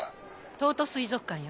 東都水族館よ。